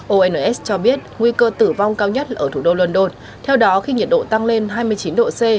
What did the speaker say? ons cho biết nguy cơ tử vong cao nhất ở thủ đô london theo đó khi nhiệt độ tăng lên hai mươi chín độ c